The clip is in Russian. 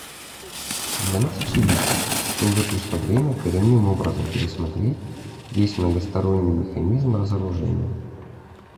Для нас очевидно, что уже пришло время коренным образом пересмотреть весь многосторонний механизм разоружения.